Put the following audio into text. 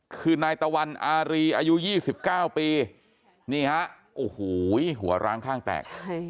คือนายตะวันอารีอายุ๒๙ปีนี่ฮะโอ้โหหัวร้างข้างแตก